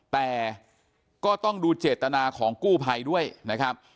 แต่ก็ต้องดูเจตนาของกู้ภัยด้วยนะครับ